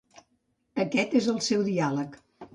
Aquest és el seu diàleg.